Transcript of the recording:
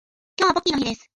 今日はポッキーの日です